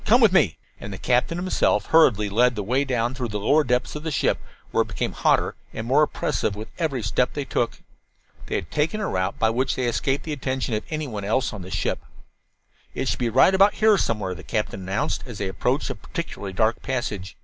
Come with me." And the captain himself hurriedly led the way down through the lower depths of the ship, where it became hotter and more oppressive with every step they took. They had taken a route by which they escaped the attention of anyone else on the ship. "It should be right about here somewhere," the captain announced, as they approached a particularly dark passage.